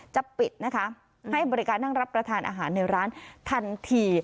จะปิดนะคะให้บริการนั่งรับประทานอาหารในร้านทันที